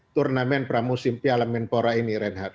turnamen pramusim piala menpora ini reinhardt